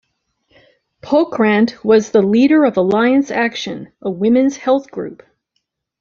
Pokrant was the leader of Alliance Action, a women's health group.